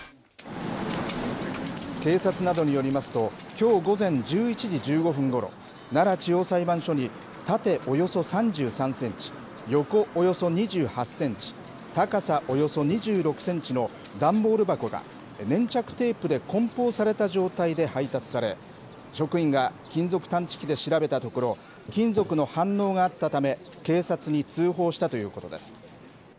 警察などによりますと、きょう午前１１時１５分ごろ、奈良地方裁判所に縦およそ３３センチ、横およそ２８センチ、高さおよそ２６センチの段ボール箱が、粘着テープでこん包された状態で配達され、職員が金属探知機で調べたところ、金属の反応があったため、警察に通報したということです。